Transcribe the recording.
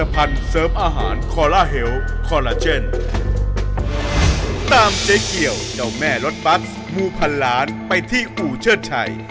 ไปรถบั๊กซ์มูลพันล้านไปที่อู่เชิดชัย